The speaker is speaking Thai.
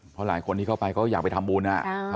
เพราะหลายคนที่เข้าไปก็อยากไปทำบุญ